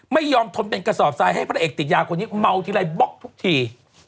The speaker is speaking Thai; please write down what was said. ไม่ยอมทนเป็นกระสอบทรายให้พระเอกติดยาคนนี้เมาทีไรบล็อกทุกที